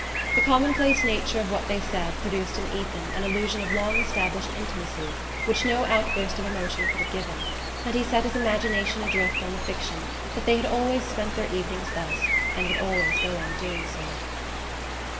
The commonplace nature of what they said produced in Ethan an illusion of long established intimacy which no outburst of emotion could have given, and he set his imagination adrift on the fiction that they had always spent their evenings thus and would always go on doing so...